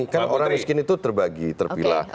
kan orang miskin itu terbagi terpilah